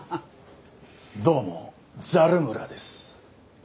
どうもザル村です。